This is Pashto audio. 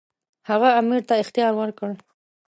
هغه امیر ته اخطار ورکړ.